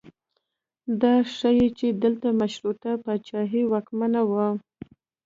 دا ښیي چې دلته مشروطه پاچاهي واکمنه وه.